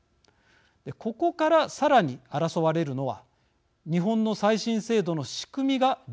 ここからさらに争われるのは日本の再審制度の仕組みが理由です。